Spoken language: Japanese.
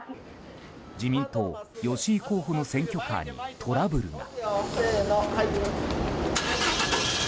自民党、吉井候補の選挙カーにトラブルが。